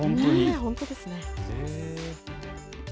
本当ですね。